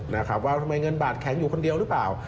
นะครับว่าทำไมเงินบาทแข็งอยู่คนเดียวหรือเปล่า